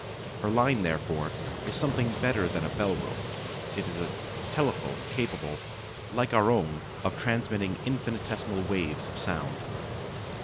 Her line, therefore, is something better than a bell rope; it is a telephone capable, like our own, of transmitting infinitesimal waves of sound.